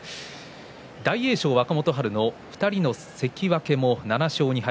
大栄翔、若元春と２人の関脇７勝２敗